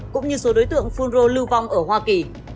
cũng như số đối tượng phun rô lưu vong ở hoa kỳ